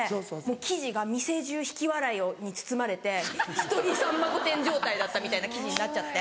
記事が「店中引き笑いに包まれて一人『さんま御殿‼』状態だった」みたいな記事になっちゃって。